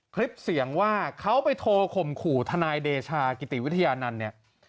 คลิปเสียงว่าเขาไปโทรข่มขู่ทนายเดชากิติวิทยานันต์เนี่ย